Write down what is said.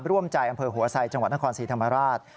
ร่วมจ่ายอำเภอหัวไส้จังหวัดนครสีธรรมราช